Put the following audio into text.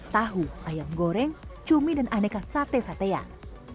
tahu ayam goreng cumi dan aneka sate satean